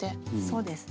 そうです。